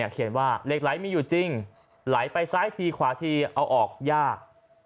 เขียนว่าเหล็กไหลมีอยู่จริงไหลไปซ้ายทีขวาทีเอาออกยาก